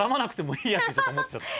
ちょっと思っちゃって。